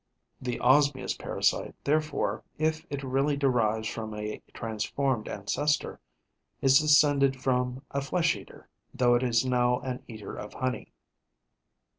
The Osmia's parasite, therefore, if it really derives from a transformed ancestor, is descended from a flesh eater, though it is now an eater of honey.